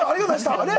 あれ？